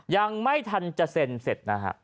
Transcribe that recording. ยังไม่ทันจะเซ็นเสร็จนะฮะ